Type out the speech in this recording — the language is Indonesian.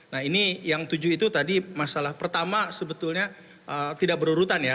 nah ini yang tujuh itu tadi masalah pertama sebetulnya tidak berurutan ya